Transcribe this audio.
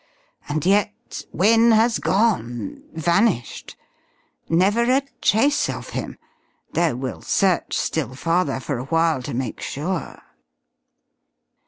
And yet Wynne has gone, vanished! Never a trace of him, though we'll search still farther for a while, to make sure!"